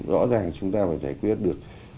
rõ ràng chúng ta phải giải quyết được